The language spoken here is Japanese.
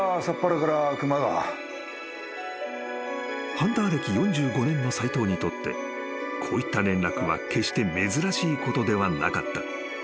［ハンター歴４５年の斎藤にとってこういった連絡は決して珍しいことではなかった］